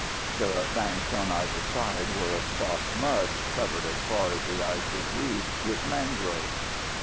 The banks on either side were of soft mud, covered as far as the eye could reach with mangroves.